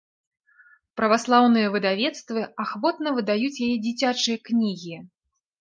Праваслаўныя выдавецтва ахвотна выдаюць яе дзіцячыя кнігі.